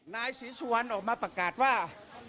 นายศรีสุวรรณออกมาประกาศว่า